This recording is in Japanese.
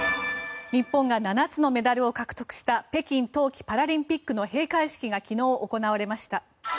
日本が７つのメダルを獲得した北京冬季パラリンピックの閉会式が昨日行われました。